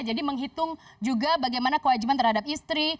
jadi menghitung juga bagaimana kewajiban terhadap istri